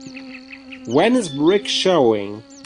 When is Brick showing